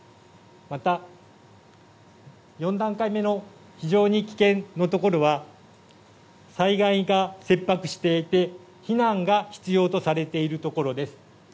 また、４段階目の非常に危険のところは災害が切迫していて、避難が必要とされているところです。